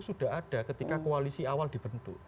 sudah ada ketika koalisi awal dibentuk